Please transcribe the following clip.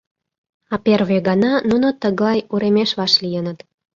А первый гана нуно тыглай уремеш вашлийыныт.